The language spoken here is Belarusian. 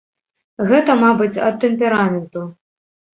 Гэта, мабыць, ад тэмпераменту.